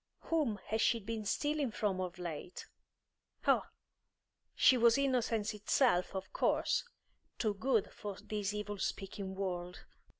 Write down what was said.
Whom had she been stealing from of late? Oh, she was innocence itself, of course; too good for this evil speaking world.